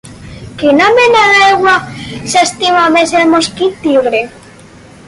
Quina mena d’aigua s’estima més el mosquit tigre?